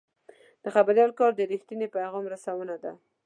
د خبریال کار د رښتیني پیغام رسونه ده.